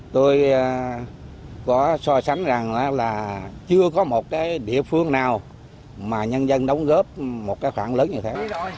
tôi có so sánh rằng là chưa có một địa phương nào mà nhân dân đóng góp một khoản lớn như thế